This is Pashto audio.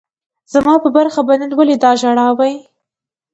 زما په برخه به نن ولي دا ژړاوای